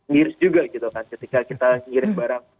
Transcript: miris juga gitu kan ketika kita ngirim barang